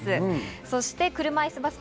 そして、車いすバスケ。